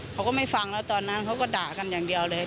เขาก็ไม่ฟังแล้วตอนนั้นเขาก็ด่ากันอย่างเดียวเลย